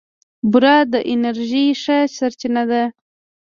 بوره د انرژۍ ښه سرچینه ده.